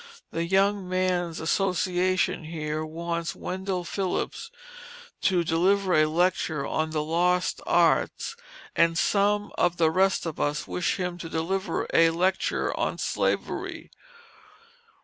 The young men's association here wants Wendell Phillips to deliver a lecture on the lost arts, and some of the rest of us wish him to deliver a lecture on Slavery.